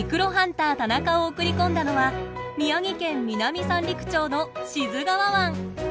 ★タナカを送り込んだのは宮城県南三陸町の志津川湾。